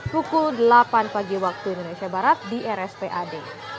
pukul delapan pagi waktu indonesia barat di rspad